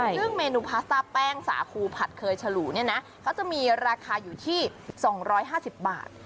ซึ่งเมนูพาสต้าแป้งสาคูผัดเคยฉลูเนี่ยนะเขาจะมีราคาอยู่ที่๒๕๐บาท